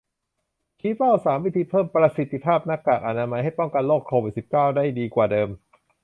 ชี้เป้า สาม วิธีเพิ่มประสิทธิภาพหน้ากากอนามัย ให้ป้องกันโควิด สิบเก้า ได้ดีกว่าเดิม